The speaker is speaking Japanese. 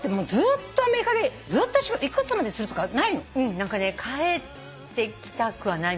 何かね帰ってきたくはないみたい。